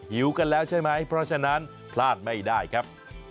หิวกันแล้วใช่ไหมเพราะฉะนั้นพลาดไม่ได้ครับ